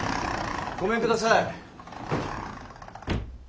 ごめんください。